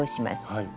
はい。